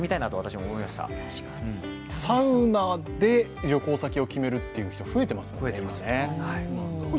サウナで旅行先を決めるって人増えてますもんね。